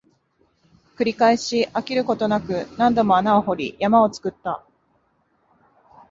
繰り返し、飽きることなく、何度も穴を掘り、山を作った